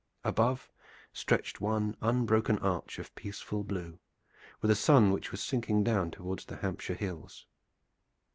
Above stretched one unbroken arch of peaceful blue, with a sun which was sinking down toward the Hampshire hills.